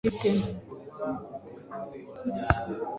Abantu benshi ntakibazo bafite.